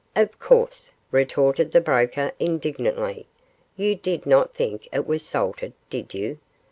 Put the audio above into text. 'Of course,' retorted the Broker, indignantly; 'you did not think it was salted, did you?